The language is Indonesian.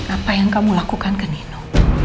apa yang kamu lakukan ke nino